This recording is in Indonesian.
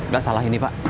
gak salah ini pak